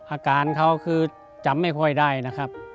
อาการเขาคือจำไม่ค่อยได้นะครับ